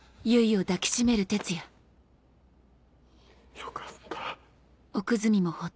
よかった。